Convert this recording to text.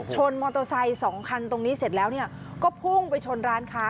ชนมอเตอร์ไซส์๒คันตรงนี้เสร็จแล้วก็พุ่งไปชนร้านค้า